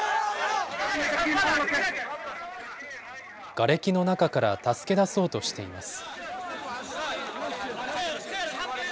がれきの中から助け出そうとしています。